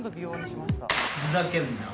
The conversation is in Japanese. ふざけんなよ